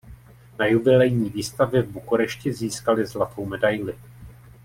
Na jubilejní výstavě v Bukurešti získali zlatou medaili.